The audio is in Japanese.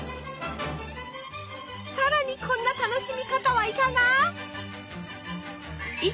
さらにこんな楽しみ方はいかが？